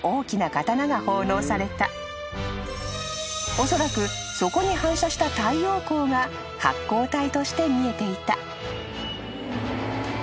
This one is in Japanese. ［おそらくそこに反射した太陽光が発光体として見えていた］